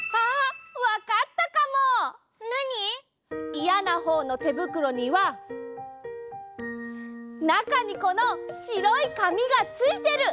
いやなほうのてぶくろにはなかにこのしろいかみがついてる！